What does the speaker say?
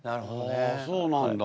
ああそうなんだ。